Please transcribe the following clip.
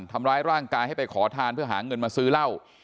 ทำร้ายร่างกายให้ไปขอทานเพื่อหาเงินมาซื้อเหล้า